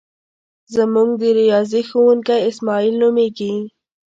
زمونږ د ریاضی ښوونکی اسماعیل نومیږي.